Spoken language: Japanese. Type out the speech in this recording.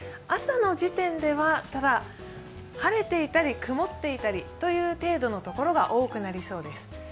朝の時点では晴れていたり曇っていたりという程度の所が多くなりそうです。